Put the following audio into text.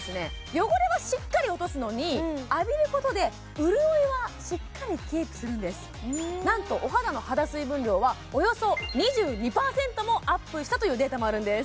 汚れはしっかり落とすのに浴びることで潤いはしっかりキープするんです何とお肌の肌水分量はおよそ２２％もアップしたというデータもあるんです